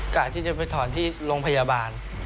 กะที่จะไปถอนที่โรงพยาบาล